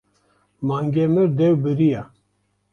Mange mir dew biriya.